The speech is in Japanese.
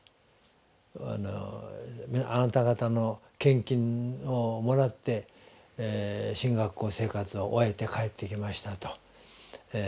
「あなた方の献金をもらって神学校生活を終えて帰ってきました」と。